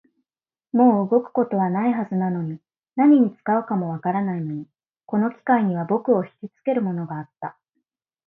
もう動くことはないはずなのに、何に使うかもわからないのに、この機械には僕をひきつけるものがあった